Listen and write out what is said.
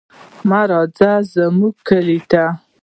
مه راځه زموږ کلي ته.